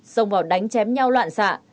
xông vào đánh chém nhau loạn xạ